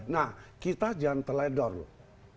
nah kita jangan teledor loh